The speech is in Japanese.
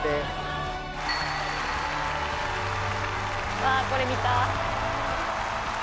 「うわあこれ見た」